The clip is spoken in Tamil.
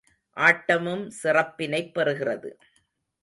ஆட்டமும் சிறப்பினைப் பெறுகிறது.